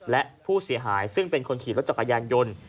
และผู้เสียหายซึ่งเป็นคนขี่รถจักรยานยนต์